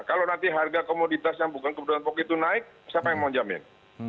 kalau nanti harga komoditas yang bukan kebutuhan pokok itu naik siapa yang mau jamin